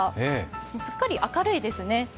すっかり明るいですね。